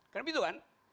kan begitu kan